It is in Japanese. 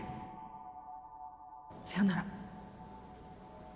さよなら。